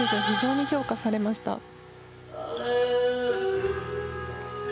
非常に評価されました。